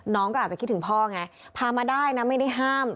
น้องก็อาจจะคิดถึงพ่อไงพามาได้นะไม่ได้ห้าม